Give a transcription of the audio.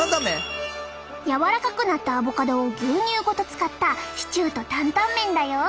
柔らかくなったアボカドを牛乳ごと使ったシチューとタンタン麺だよ！